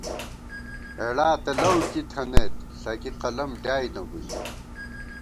ہېڑا تہ لؤ کِی تھنَئیت، ݪَکی قلم ڈیائے نہ بُوئی